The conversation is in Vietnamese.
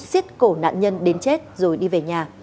xiết cổ nạn nhân đến chết rồi đi về nhà